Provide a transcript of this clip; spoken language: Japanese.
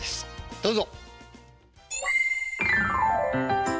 どうぞ。